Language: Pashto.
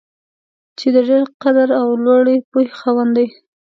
چې د ډېر قدر او لوړې پوهې خاوند دی.